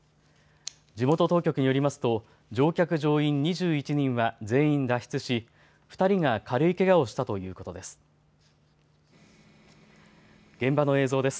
地元当局によりますと乗客乗員２１人は全員脱出し２人が軽いけがをしたということです。